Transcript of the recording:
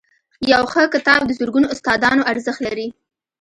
• یو ښه کتاب د زرګونو استادانو ارزښت لري.